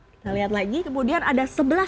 kita lihat lagi kemudian ada sebelas